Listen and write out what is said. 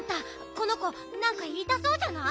この子なんかいいたそうじゃない？